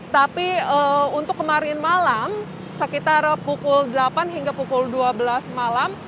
tapi untuk kemarin malam sekitar pukul delapan hingga pukul dua belas malam